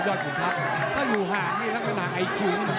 ยอดขุมทัพก็อยู่ห่างให้ลักษณะไอ้คิง